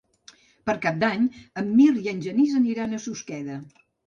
Per Cap d'Any en Mirt i en Genís aniran a Susqueda.